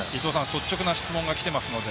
率直な質問がきています。